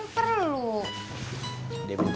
pilih mirip pake